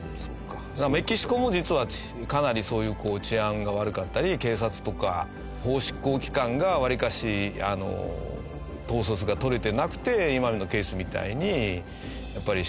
メキシコも実はかなりそういう治安が悪かったり警察とか法執行機関が割かし統率が取れてなくて。